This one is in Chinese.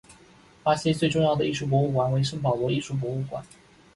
巴西最重要的艺术博物馆为圣保罗艺术博物馆。